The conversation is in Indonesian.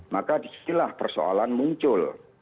maka disitulah persoalan muncul